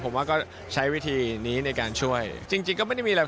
ผมว่าก็ใช้วิธีนี้ในการช่วยจริงจริงก็ไม่ได้มีอะไร